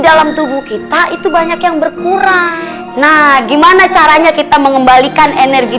dalam tubuh kita itu banyak yang berkurang nah gimana caranya kita mengembalikan energi